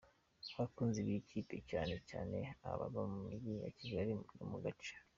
abakunzi biyi kipe cyane cyane abava mu mujyi wa Kigali no mu gace.